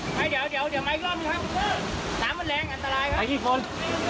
น้ำมันแรงอันตรายครับ